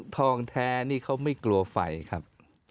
ทองแท้นี่เขาไม่กลัวไฟครับ